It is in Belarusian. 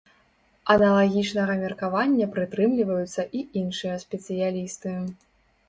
Аналагічнага меркавання прытрымліваюцца і іншыя спецыялісты.